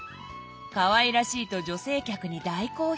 かわいらしいと女性客に大好評。